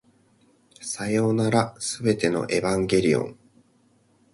さようなら、全てのエヴァンゲリオン